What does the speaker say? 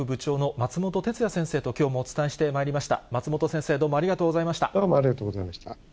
松本先生、どうもありがとうございました。